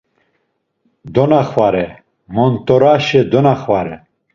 Donaxvare, mont̆oraşe, donaxvare.